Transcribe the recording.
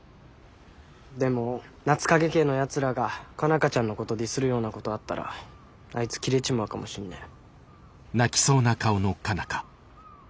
でも夏影家のやつらが佳奈花ちゃんのことをディスるようなことあったらあいつキレちまうかもしんねえ。